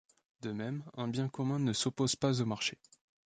De même, un bien commun ne s'oppose pas au marché.